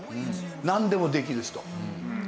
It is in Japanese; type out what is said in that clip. なんでもできる人。